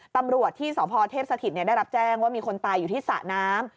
ตำรวจที่สพเทพสถิตได้รับแจ้งว่ามีคนตายอยู่ที่สระน้ำ